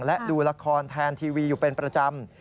และดูละครแทนทีวีอยู่เป็นประจำ